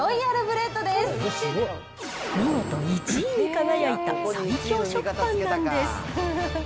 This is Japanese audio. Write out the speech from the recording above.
見事１位に輝いた最強食パンなんです。